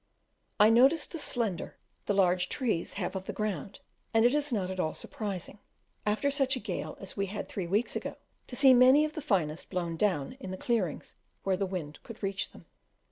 I noticed the slender the large trees have of the ground, and it is not at all surprising, after such a gale as we had three weeks ago, to see many of the finest blown down in the clearings where the wind could reach them.